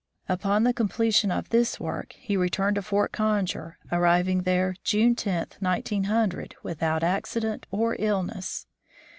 Upon the com pletion of this work he returned to Fort Conger, arriving there June 10, 1900, without accident or illness.